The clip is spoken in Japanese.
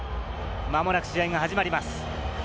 まもなく試合が始まります。